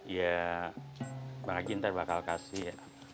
ya pak haji ntar bakal kasih